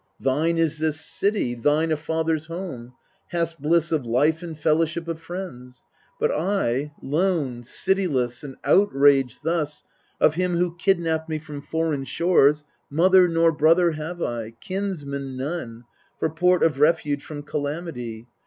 Thine is this city, thine a father's home ; Hast bliss of life and fellowship of friends. But I, lone, cityless, and outraged thus Of him who kidnapped me from foreign shores, Mother nor brother have I, kinsman none, For port of refuge from calamity.